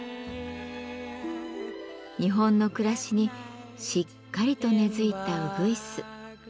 日本の暮らしにしっかりと根づいたうぐいす。